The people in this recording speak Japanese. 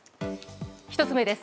１つ目です。